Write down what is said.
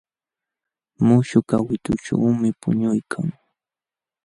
Muśhuq kawitućhuumi puñuykan.